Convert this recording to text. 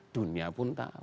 dunia pun tahu